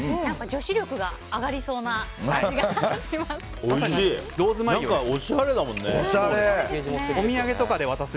女子力が上がりそうな感じがします。